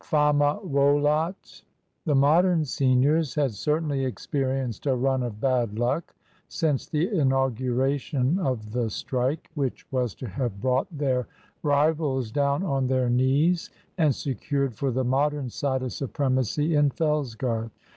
"FAMA VOLAT." The Modern seniors had certainly experienced a run of bad luck since the inauguration of the strike, which was to have brought their rivals down on their knees and secured for the Modern side a supremacy in Fellsgarth.